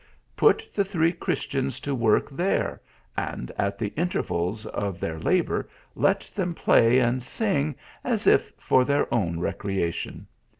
Put the three Christians to work there, and at the intervals of their labour let them play and sing, as if for their own recreation.